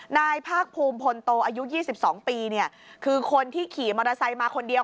นายภาคภูมิพลโตอายุ๒๒ปีเนี่ยคือคนที่ขี่มอเตอร์ไซค์มาคนเดียว